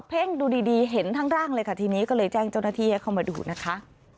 ดูดีเห็นทั้งร่างเลยค่ะทีนี้ก็เลยแจ้งเจ้าหน้าที่ให้เข้ามาดูนะคะ